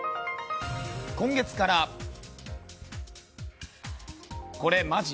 今月からこれマジ！